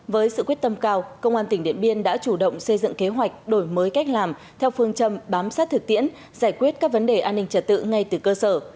với sự quyết tâm cao công an tỉnh điện biên đã chủ động xây dựng kế hoạch đổi mới cách làm theo phương châm bám sát thực tiễn giải quyết các vấn đề an ninh trật tự ngay từ cơ sở